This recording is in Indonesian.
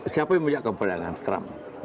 siapa yang menyebabkan peran dagang trump